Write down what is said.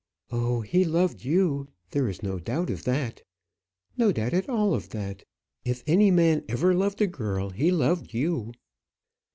"Oh, he loved you. There is no doubt of that; no doubt at all of that. If any man ever loved a girl, he loved you."